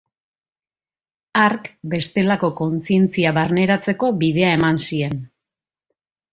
Hark bestelako kontzientzia barneratzeko bidea eman zien.